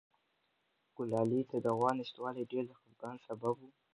ګلالۍ ته د غوا نشتوالی ډېر د خپګان سبب و.